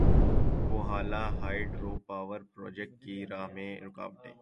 Kohala hydro power project کی راہ میں رکاوٹیں